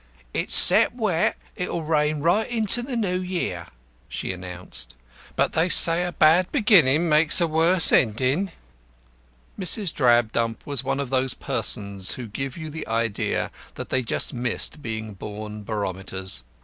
"It's set wet, it'll rain right into the new year," she announced. "And they say a bad beginnin' makes a worse endin'." Mrs. Drabdump was one of those persons who give you the idea that they just missed being born barometers.